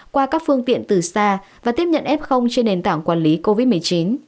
qua các phương tiện từ xa và tiếp nhận f trên nền tảng quản lý covid một mươi chín